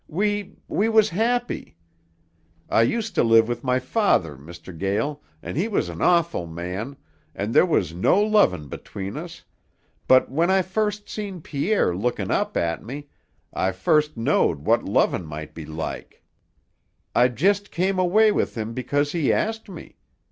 We we was happy. I ust to live with my father, Mr. Gael, an' he was an awful man, an' there was no lovin' between us, but when I first seen Pierre lookin' up at me, I first knowed what lovin' might be like. I just came away with him because he asked me.